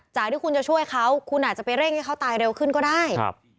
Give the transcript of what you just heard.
จากที่คุณจะช่วยเขาคุณอาจจะไปเร่งให้เขาตายเร็วขึ้นก็ได้